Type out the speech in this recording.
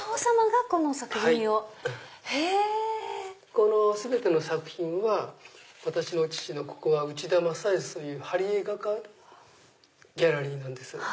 この全ての作品は私の父のここは内田正泰というはり絵画家のギャラリーです。